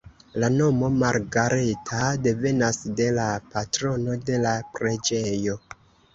La nomo Margareta devenas de la patrono de la preĝejo.